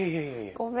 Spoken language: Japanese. ごめん。